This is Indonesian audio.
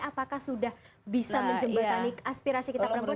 apakah sudah bisa menjembatani aspirasi kita perempuan